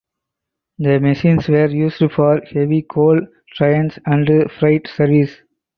The machines were used for heavy coal trains and freight service.